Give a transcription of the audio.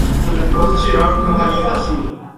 Podes tirar o cavalinho da chuva.